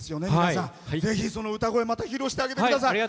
ぜひ、その歌声また披露してください。